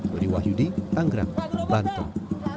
dari wahyudi tanggrang bantung